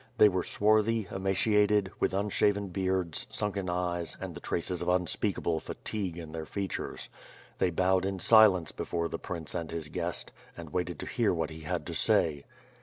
They were swarthy, ema ciated, with unshaven beards, sunken eyes and the traces of unspeakable fatigue in their features. They bowed in si lence before the prince and his guest, and waited to hear what he had to say.